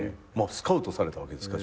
スカウトされたわけですか？